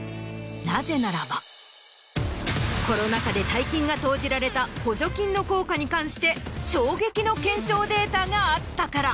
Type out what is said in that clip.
なぜならばコロナ禍で大金が投じられた補助金の効果に関して衝撃の検証データがあったから。